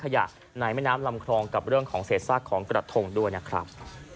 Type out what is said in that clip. ขยะในแม่น้ำลำคลองกับเรื่องของเศษซากของกระทงด้วยนะครับ